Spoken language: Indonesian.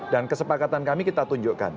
dan kesepakatan kami kita tunjukkan